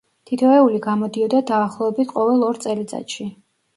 თითოეული გამოდიოდა დაახლოებით ყოველ ორ წელიწადში.